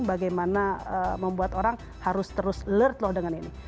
bagaimana membuat orang harus terus alert loh dengan ini